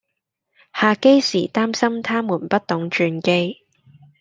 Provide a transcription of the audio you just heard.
下機時擔心她們不懂轉機